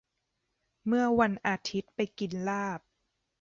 เมื่อวันอาทิตย์ไปกินลาบ